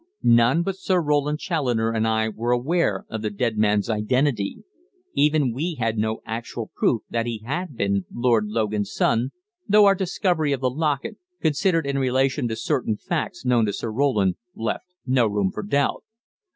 None but Sir Roland Challoner and I were aware of the dead man's identity; even we had no actual proof that he had been Lord Logan's son, though our discovery of the locket, considered in relation to certain facts known to Sir Roland, left no room for doubt.